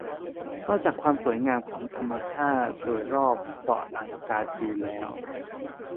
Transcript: นอกจากความสวยงามของธรรมชาติโดยรอบเกาะลังกาจิวแล้ว